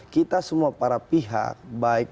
kita semua para pihak baik